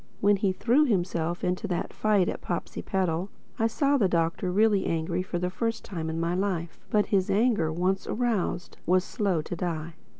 When he threw himself into that fight at Popsipetel, I saw the Doctor really angry for the first time in my life. But his anger, once aroused, was slow to die.